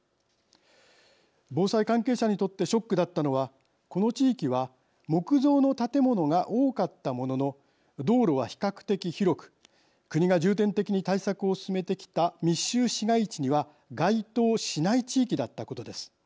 防災関係者にとってショックだったのはこの地域は木造の建物が多かったものの道路は比較的広く国が重点的に対策を進めてきた密集市街地には該当しない地域だったことです。